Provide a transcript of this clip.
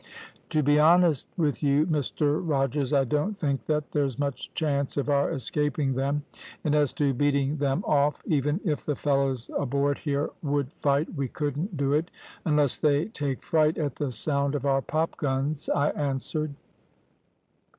"`To be honest with you, Mr Rogers, I don't think that there's much chance of our escaping them, and as to beating them off, even if the fellows aboard here would fight, we couldn't do it, unless they take fright at the sound of our pop guns,' I answered.